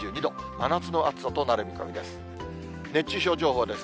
真夏の暑さとなる見込みです。